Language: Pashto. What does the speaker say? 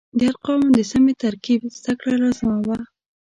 د ارقامو د سمې ترکیب زده کړه لازمه وه.